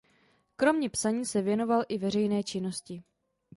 Kromě psaní se věnoval i veřejné činnosti.